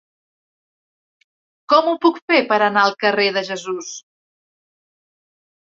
Com ho puc fer per anar al carrer de Jesús?